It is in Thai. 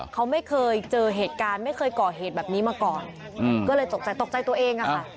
เขาไม่เคยเจอเหตุการณ์ไม่เคยก่อเหตุแบบนี้มาก่อนก็เลยตกใจตกใจตัวเองอะค่ะ